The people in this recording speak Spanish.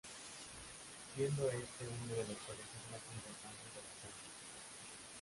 Siendo este uno de los colegios más importantes de la zona.